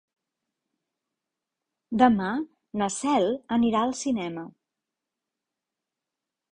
Demà na Cel anirà al cinema.